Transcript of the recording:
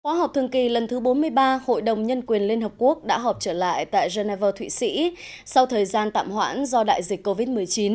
khóa học thường kỳ lần thứ bốn mươi ba hội đồng nhân quyền liên hợp quốc đã họp trở lại tại geneva thụy sĩ sau thời gian tạm hoãn do đại dịch covid một mươi chín